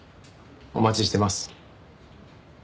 お待ちしてます。